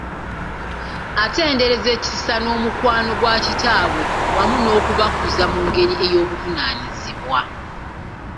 Atenderezza ekisa n'omukwano gwa kitaabwe wamu n'okubakuza mu ngeri ey'obuvunaanyizibwa.